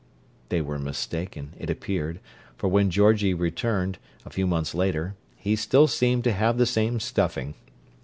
They were mistaken, it appeared, for when Georgie returned, a few months later, he still seemed to have the same stuffing.